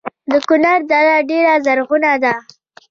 د کونړ دره ډیره زرغونه ده